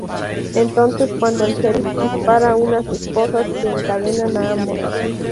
Es entonces cuando el sheriff dispara unas esposas que encadenan a ambos.